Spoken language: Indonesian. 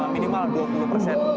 minimal dua puluh persen